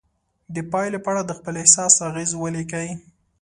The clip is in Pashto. د پایلې په اړه د خپل احساس اغیز ولیکئ.